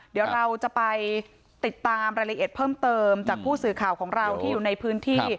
เดี๋ยวเราจะไปติดตามรายละเอียดเพิ่มเติมจากผู้สื่อข่าวของเราที่อยู่ในพื้นที่